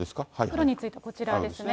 袋について、こちらですね。